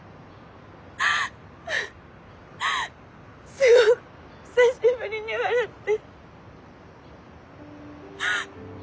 すごく久しぶりに笑って。